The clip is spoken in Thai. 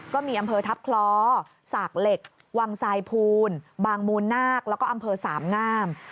ก็มีอำเภอทัพคล้อสากเหล็กวังสายภูนบางมูลนาคแล้วก็อำเภอสามงาม